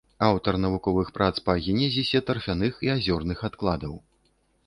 Аўтар навуковых прац па генезісе тарфяных і азёрных адкладаў.